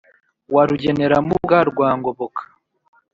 wa rugenerambuga rwa ngoboka